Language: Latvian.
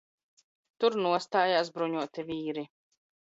Tur nostājās bruņoti vīri.